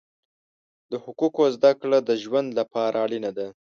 د حقوقو زده کړه د ژوند لپاره اړینه ده.